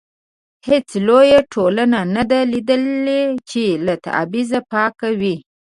هیڅ لویه ټولنه نه ده لیدلې چې له تبعیض پاکه وي.